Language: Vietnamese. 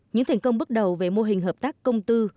những thành công bước đầu về mô hình hợp tác công tư